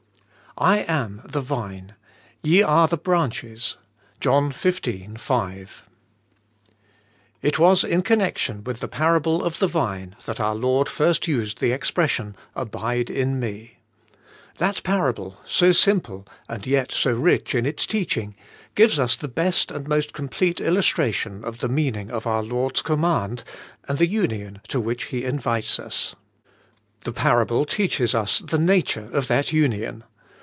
*I am the Vine, ye are the branches. '— John xv. 5. IT was in connection with the Parable of the Vine that our Lord first used the expression, 'Abide in me.' That parable, so simple, and yet so rich in its teaching, gives us the best and most complete illus tration of the meaning of our Lord's command, and the union to which He invites us. The parable teaches us the nature of that union.